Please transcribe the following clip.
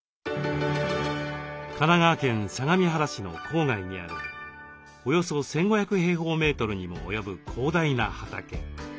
神奈川県相模原市の郊外にあるおよそ１，５００平方メートルにも及ぶ広大な畑。